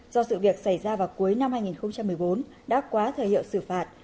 do sự việc xảy ra vào cuối năm hai nghìn một mươi bốn đã quá thời hiệu xử phạt